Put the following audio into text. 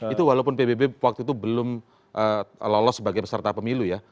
itu walaupun pbb waktu itu belum lolos sebagai peserta pemilu ya